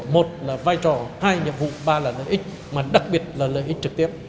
một là vai trò hai nhiệm vụ ba là lợi ích mà đặc biệt là lợi ích trực tiếp